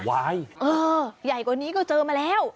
ใหญ่กว่านี้ก็เจอมาแล้ว